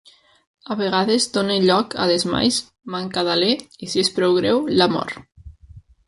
A vegades dóna lloc a desmais, manca d'alè, i si és prou greu, la mort.